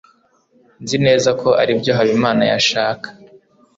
nzi neza ko aribyo habimana yashaka